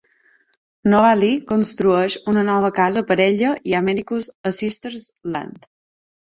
Novalee construeix una nova casa per ella i Americus a Sister's land.